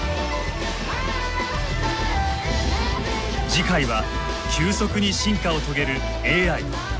次回は急速に進化を遂げるＡＩ人工知能。